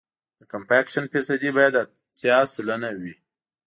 د کمپکشن فیصدي باید اتیا سلنه وي